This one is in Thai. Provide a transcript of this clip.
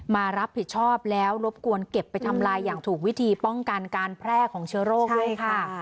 มารับผิดชอบแล้วรบกวนเก็บไปทำลายอย่างถูกวิธีป้องกันการแพร่ของเชื้อโรคด้วยค่ะ